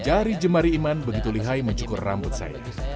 jari jemari iman begitu lihai mencukur rambut saya